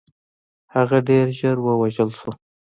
هغه ډېر ژر ووژل شو.